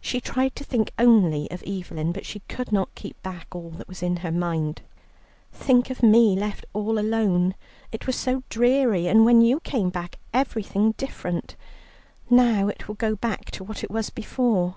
She tried to think only of Evelyn, but she could not keep back all that was in her mind. "Think of me left all alone. It was so dreary, and when you came you made everything different. Now it will go back to what it was before."